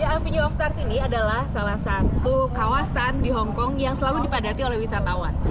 avenue of stars ini adalah salah satu kawasan di hongkong yang selalu dipadati oleh wisatawan